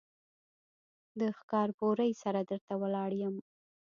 د ښکارپورۍ سره در ته ولاړ يم.